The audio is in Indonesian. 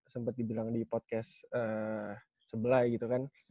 sempat dibilang di podcast sebelah gitu kan